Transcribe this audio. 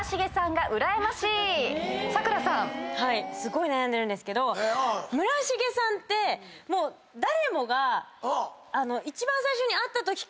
すごい悩んでるんですけど村重さんってもう誰もが。